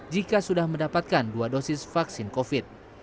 jika sudah mendapatkan dua dosis vaksin covid